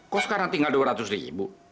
kok sekarang tinggal dua ratus ribu